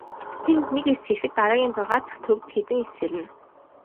Тэнд нэг эс сэрэхэд дараагийн зургаа дахь төвд хэдэн эс сэрнэ.